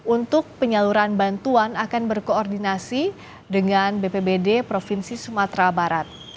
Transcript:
untuk penyaluran bantuan akan berkoordinasi dengan bpbd provinsi sumatera barat